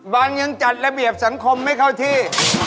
มันยังจัดระเบียบสังคมไม่เข้าที่